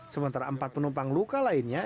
sementara empat penumpang luka lainnya